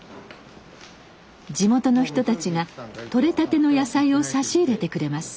地元の人たちが取れたての野菜を差し入れてくれます。